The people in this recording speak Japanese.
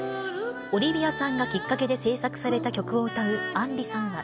オリビアさんがきっかけで制作された曲を歌う杏里さんは。